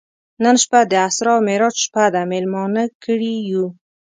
نن شپه د اسرا او معراج شپه ده میلمانه کړي یو.